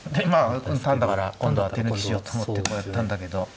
まあ単だから今度は手抜きしようと思ってこうやったんだけど。